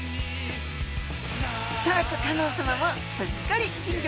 シャーク香音さまもすっかり金魚